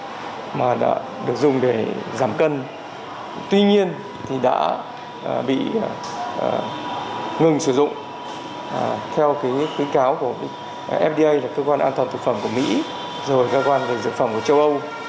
sibu charmin là đây là một cái thuốc được dùng để giảm cân tuy nhiên thì đã bị ngừng sử dụng theo cái khuyến cáo của fda là cơ quan an toàn thực phẩm của mỹ rồi cơ quan dược phẩm của châu âu